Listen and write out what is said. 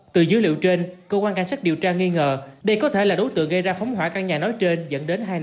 từ dữ liệu trên cơ quan cảnh sát điều tra nghi ngờ đây có thể là đối tượng gây ra phóng hỏa căn nhà nói trên dẫn đến hai nạn nhân